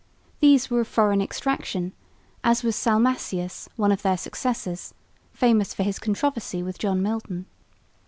These were of foreign extraction, as was Salmasius, one of their successors, famous for his controversy with John Milton.